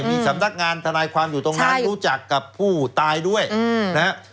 มีสำนักงานทนายความอยู่ตรงนั้นรู้จักกับผู้ตายด้วยนะฮะ